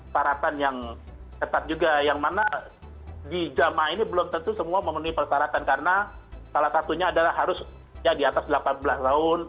faratan yang ketat juga yang mana di jemaah ini belum tentu semua memenuhi persaraan karena salah satunya adalah harus ya diatas delapan belas tahun